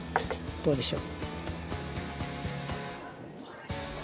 どうでしょう？